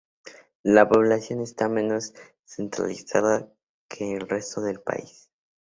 La población está menos centralizada que en resto del país.